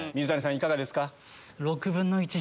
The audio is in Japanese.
いかがですか？